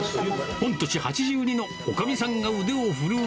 御年８２のおかみさんが腕をすごい！